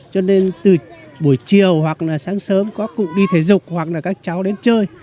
cho nên từ buổi chiều hoặc là sáng sớm có cụ đi thể dục hoặc là các cháu đến chơi